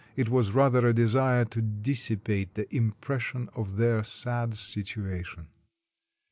It was rather a desire to dissipate the impression of their sad situation.